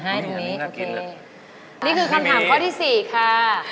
อันนี้คือคำถามข้อที่๔ค่ะ